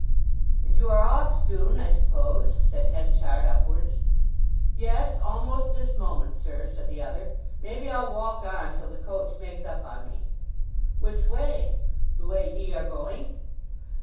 "And you are off soon, I suppose?" said Henchard upwards. "Yes—almost this moment, sir," said the other. "Maybe I'll walk on till the coach makes up on me." "Which way?" "The way ye are going."